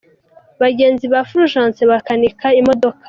Ba genzi ba Fulgence bakanika imodoka.